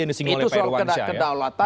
yang disinggung oleh pak irwansyah